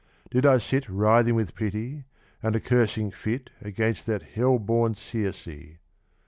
did I sit Writhing with pity, and a cursing fit Against that hell born Circe.